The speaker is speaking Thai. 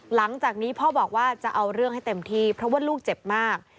หลังจากนี้พ่อบอกว่าจะเอาเรื่องให้เต็มที่เพราะว่าลูกเจ็บมาก